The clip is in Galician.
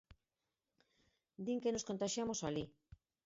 Din que nos contaxiamos alí.